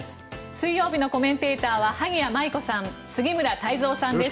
水曜日のコメンテーターは萩谷麻衣子さん杉村太蔵さんです。